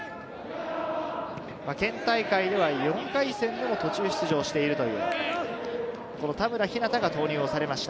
県大会では４回戦での途中出場しているという田村日夏汰が投入されました。